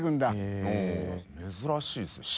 珍しいですね